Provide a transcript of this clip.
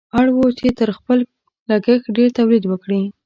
اړ وو چې تر خپل لګښت ډېر تولید وکړي.